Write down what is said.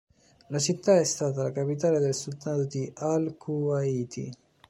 La città è stata la capitale del Sultanato di al-Quʿayṭī.